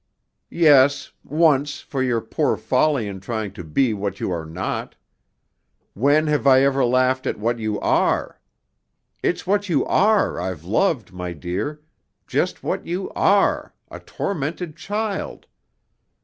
"Yes, once, for your poor folly in trying to be what you are not. When have I ever laughed at what you are? It's what you are I've loved, my dear, just what you are a tormented child.